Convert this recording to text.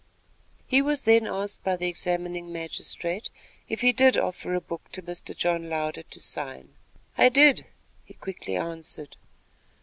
He was then asked by the examining magistrate, if he did offer a book to Mr. John Louder to sign. "I did," he quickly answered.